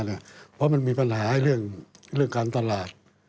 เพราะมันมีปัญหาเรื่องการตลาด